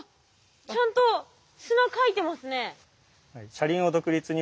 ちゃんと砂かいてますね。